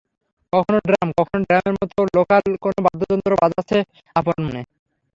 কখনো ড্রাম, কখনো ড্রামের মতো লোকাল কোনো বাদ্যযন্ত্র বাজাচ্ছে আপন মনে।